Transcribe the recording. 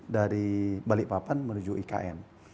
dari balikpapan menuju ikn